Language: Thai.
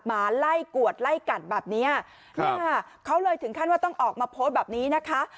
ไม้ไกดกัดแบบนี้ครับเขาเลยถึงขั้นว่าต้องออกมาโพสแบบนี้นะคะ